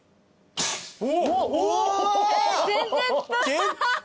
おっ！